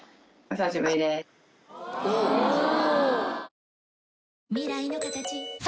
お久しぶりです。